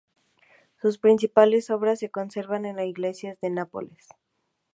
Sus principales obras se conservan en las iglesias de Nápoles.